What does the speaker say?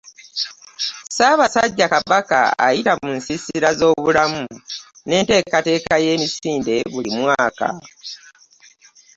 Ssaabasajja Kabaka ayita mu nsiisira z'ebgobulamu n'enteekateeka y'emisinde buli mwaka